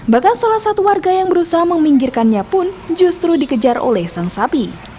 bahkan salah satu warga yang berusaha meminggirkannya pun justru dikejar oleh sang sapi